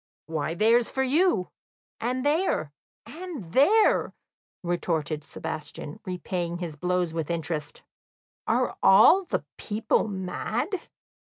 "Why, there's for you, and there, and there!" retorted Sebastian, repaying his blows with interest. "Are all the people mad?"